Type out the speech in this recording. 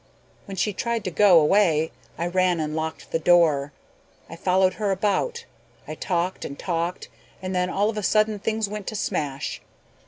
When she tried to go away, I ran and locked the door. I followed her about. I talked and talked and then all of a sudden things went to smash.